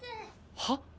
はっ？